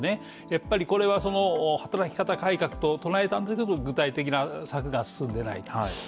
やっぱりこれは働き方改革を唱えたんですけれども具体的な策が進んでいない。